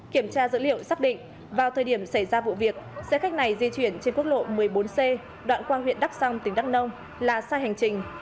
kiểm tra dữ liệu xác định vào thời điểm xảy ra vụ việc xe khách này di chuyển trên quốc lộ một mươi bốn c đoạn qua huyện đắk song tỉnh đắk nông là sai hành trình